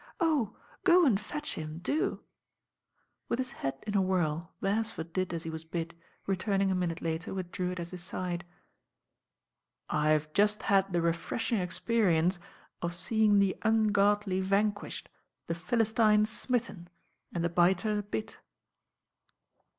"Oh I go and fetch him, do." With his head in a whirl Beresford did as he was bid, returning a minute later with Drewitt at his side. "I have just had the refreshing experience of see ing the ungodly vanquished, the Philistine smitten, and the biter bit."